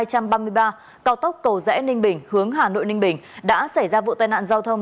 một mươi chín h ba mươi ba cao tốc cầu rẽ ninh bình hướng hà nội ninh bình đã xảy ra vụ tai nạn giao thông